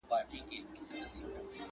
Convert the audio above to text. کارګه نه وو په خپل ژوند کي چا ستایلی!!